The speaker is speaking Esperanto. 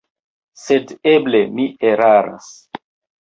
Sed eble mi eraras.